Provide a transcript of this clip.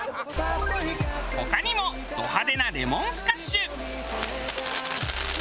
他にもド派手なレモンスカッシュ。